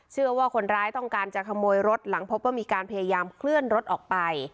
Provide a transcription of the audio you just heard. เชื่อว่าคนร้ายต้องการจะขโมยรถหลังพบว่ามีการพยายามเคลื่อนรถออกไป